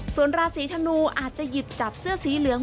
ส่วนราศีธนูอาจจะหยิบจับเสื้อสีเหลือง